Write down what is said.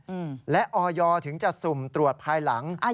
ยอมรับว่าการตรวจสอบเพียงเลขอยไม่สามารถทราบได้ว่าเป็นผลิตภัณฑ์ปลอม